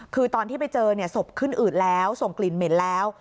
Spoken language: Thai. คือตอนที่ไปเจอเนี่ยศพขึ้นอืดแล้วส่งกลิ่นเหม็นแล้ว